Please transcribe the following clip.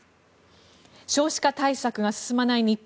少子化対策が進まない日本。